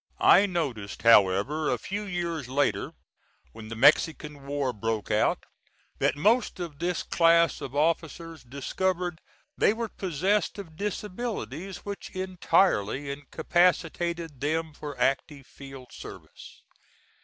I noticed, however, a few years later, when the Mexican war broke out, that most of this class of officers discovered they were possessed of disabilities which entirely incapacitated them for active field service.